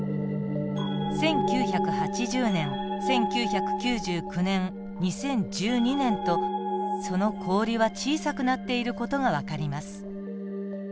１９８０年１９９９年２０１２年とその氷は小さくなっている事がわかります。